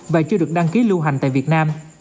và chưa được đăng ký lưu hành tại việt nam